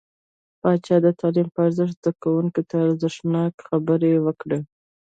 پاچا د تعليم په ارزښت، زده کوونکو ته ارزښتناکې خبرې وکړې .